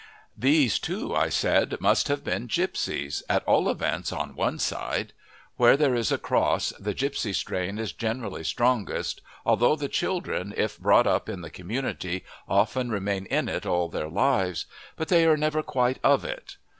These, too, I said, must have been gipsies, at all events on one side. Where there is a cross the gipsy strain is generally strongest, although the children, if brought up in the community, often remain in it all their lives; but they are never quite of it.